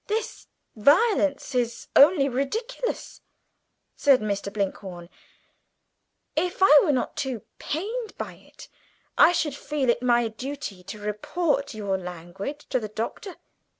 "This violence is only ridiculous," said Mr. Blinkhorn. "If I were not too pained by it, I should feel it my duty to report your language to the Doctor.